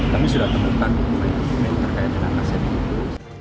kami sudah terdekat mengenai aset itu